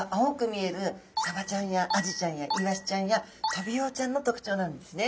見えるサバちゃんやアジちゃんやイワシちゃんやトビウオちゃんの特徴なんですね。